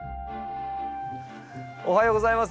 おはようございます。